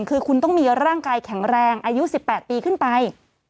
คือคุณต้องมีร่างกายแข็งแรงอายุ๑๘ปีขึ้นไป